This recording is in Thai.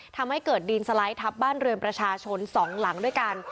ทำให้เกิดดินสไลด์ทับบ้านเรือนประชาชนสองหลังด้วยกัน